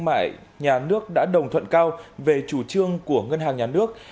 mại nhà nước đã đồng thuận cao về chủ trương của ngân hàng nhà nước